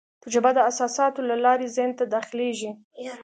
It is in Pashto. تجربه د احساساتو له لارې ذهن ته داخلېږي.